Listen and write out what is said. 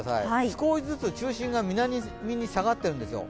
少しずつ中心が南に下がってるんですよ。